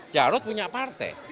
jarod punya partai